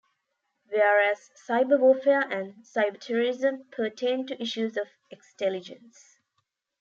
Whereas cyber-warfare and cyber-terrorism, pertain to issues of extelligence.